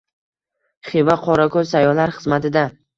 “Xiva qorako‘l” sayyohlar xizmatida